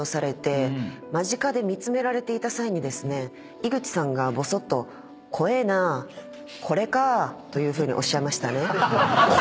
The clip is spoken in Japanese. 井口さんがぼそっと「怖ぇなぁ。これか」というふうにおっしゃいましたね。